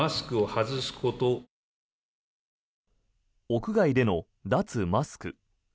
屋外での脱マスク。